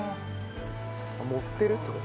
盛ってるって事？